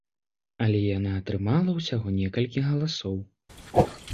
Але яна атрымала ўсяго некалькі галасоў.